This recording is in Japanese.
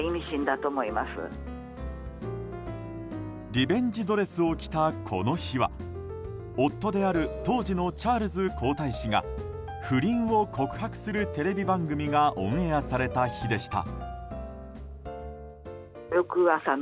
リベンジドレスを着たこの日は夫である当時のチャールズ皇太子が不倫を告白するテレビ番組がオンエアされた日でした。